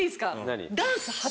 何？